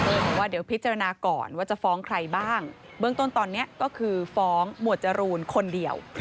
บอกว่าเดี๋ยวพิจารณาก่อนว่าจะฟ้องใครบ้างเบื้องต้นตอนนี้ก็คือฟ้องหมวดจรูนคนเดียว